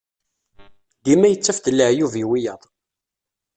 Dima yettaf-d leɛyub i wiyaḍ.